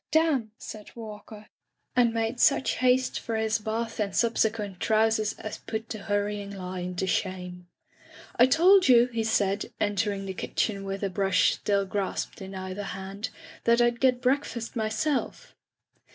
"Damn! said Walker, and made such haste for his bath and sub sequent trousers as put the hurrying lion to shame. "I told you,'* he said, entering the kitchen with a brush still grasped in either hand, that Fd get breakfast myself.'